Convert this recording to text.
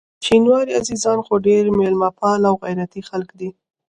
شینواري عزیزان خو ډېر میلمه پال او غیرتي خلک دي.